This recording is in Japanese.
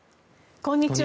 こんにちは。